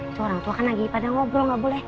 itu orang tua kan lagi pada ngobrol nggak boleh